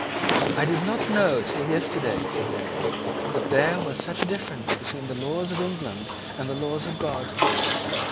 "I did not know till yesterday," said Mary, "that there was such a difference between the laws of England and the laws of God.